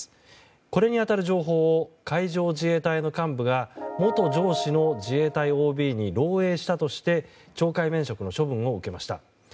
これに当たる情報を海上自衛隊の幹部が元上司の自衛隊ＯＢに漏洩したとして懲戒免職の処分を受けました。